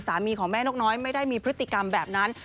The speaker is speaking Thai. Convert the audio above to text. ของแม่นกน้อยไม่ได้มีพฤติกรรมแบบนั้น